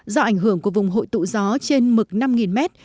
do ảnh hưởng của vùng hội tụ gió trên mực năm m